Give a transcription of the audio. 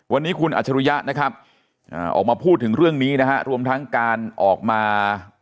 วันนี้คุณอัจฉริยะนะครับออกมาพูดถึงเรื่องนี้นะฮะรวมทั้งการออกมา